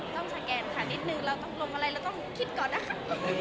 สแกนค่ะนิดนึงเราต้องลงอะไรเราต้องคิดก่อนนะคะ